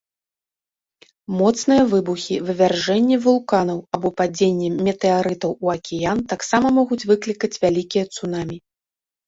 Моцныя выбухі, вывяржэнні вулканаў або падзенне метэарытаў у акіян таксама могуць выклікаць вялікія цунамі.